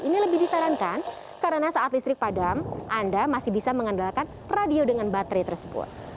ini lebih disarankan karena saat listrik padam anda masih bisa mengandalkan radio dengan baterai tersebut